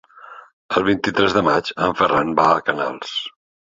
El vint-i-tres de maig en Ferran va a Canals.